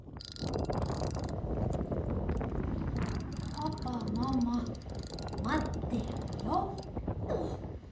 「パパママまってるよ」と。